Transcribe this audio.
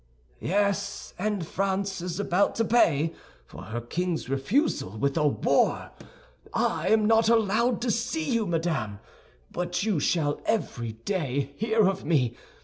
"Yes, and France is about to pay for her king's refusal with a war. I am not allowed to see you, madame, but you shall every day hear of me.